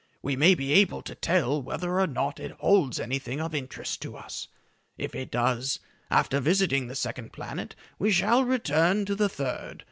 We may be able to tell whether or not it holds anything of interest to us. If it does, after visiting the second planet, we shall then return to the third.